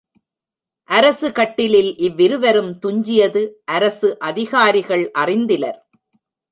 அரசுகட்டிலில் இவ்விருவரும் துஞ்சியது அரசு அதிகாரிகள் அறிந்திலர்.